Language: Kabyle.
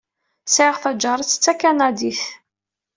Sɛiɣ taǧaret d takanadit.